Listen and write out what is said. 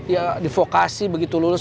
ya divokasi begitu lulus